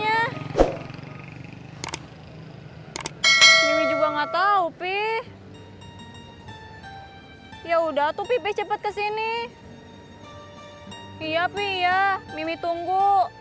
hai nama jalannya juga enggak tahu pih ya udah tuh pilih cepet kesini ia pih ya mimi tunggu